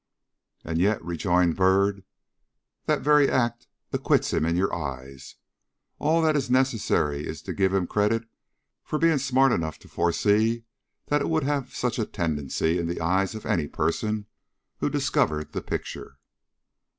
"And, yet," rejoined Byrd, "that very act acquits him in your eyes. All that is necessary is to give him credit for being smart enough to foresee that it would have such a tendency in the eyes of any person who discovered the picture."